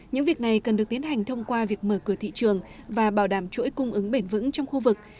những việc này cần được tiến hành thông qua việc mở cửa thị trường và bảo đảm chuỗi cung ứng bền vững trong khu vực